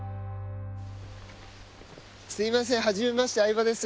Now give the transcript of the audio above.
すいませんはじめまして相葉です。